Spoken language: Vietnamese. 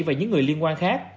và những người liên quan